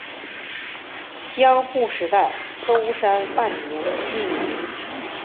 江户时代舟山万年命名。